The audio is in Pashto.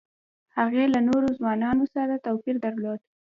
هغې له نورو ځوانانو سره توپیر درلود